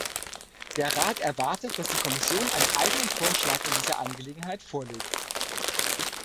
Der Rat erwartet, dass die Kommission einen eigenen Vorschlag in dieser Angelegenheit vorlegt.